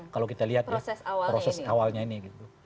kalau kita lihat ya proses awalnya ini gitu